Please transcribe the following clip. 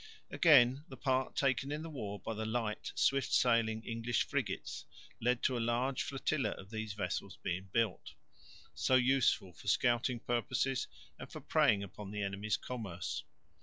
Again, the part taken in the war by the light, swift sailing English frigates led to a large flotilla of these vessels being built, so useful for scouting purposes and for preying upon the enemy's commerce.